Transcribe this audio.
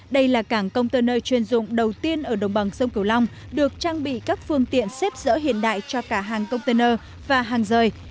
đây là cảng container chuyên dụng đầu tiên ở đồng bằng sông cửu long được trang bị các phương tiện xếp dỡ hiện đại cho cả hàng container và hàng rời